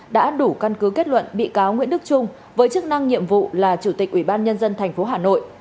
đã đủ căn cứ kết luận bị cáo nguyễn đức trung với chức năng nhiệm vụ là chủ tịch ubnd tp hà nội